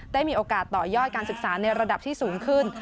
ได้มีโอกาสต่อยอดการศึกษาในระดับที่สูงขึ้น